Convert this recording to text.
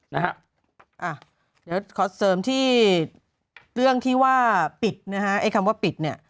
นะฮะอ่ะเดี๋ยวขอเสริมที่เรื่องที่ว่าปิดนะฮะไอ้คำว่าปิดเนี่ย